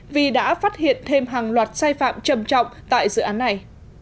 vì đã phát hiện thêm hàng loạt sai phạm trầm trọng tại dự án này